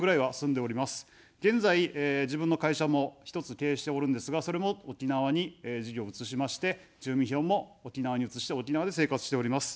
現在、自分の会社も１つ経営しておるんですが、それも沖縄に事業を移しまして、住民票も沖縄に移して、沖縄で生活しております。